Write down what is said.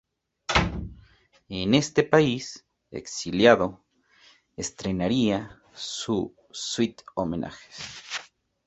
En este país, exiliado, estrenaría su "Suite Homenajes.